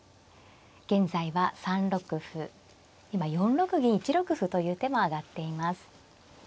現在は３六歩今４六銀１六歩という手も挙がっています。